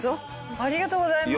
ありがとうございます。